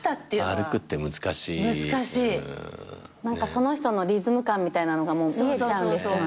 その人のリズム感みたいなのが見えちゃうんですよね。